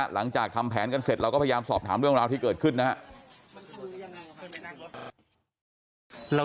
หลังจากทำแผนกันเสร็จเราก็พยายามสอบถามเรื่องราวที่เกิดขึ้นนะครับ